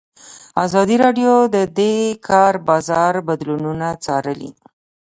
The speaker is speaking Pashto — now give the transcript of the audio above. ازادي راډیو د د کار بازار بدلونونه څارلي.